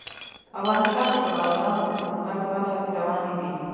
افغانستان کې د بادامو د پرمختګ لپاره هڅې روانې دي.